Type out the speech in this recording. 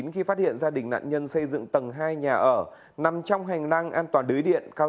khi phát hiện gia đình nạn nhân xây dựng tầng hai nhà ở nằm trong hành lang an toàn lưới điện cao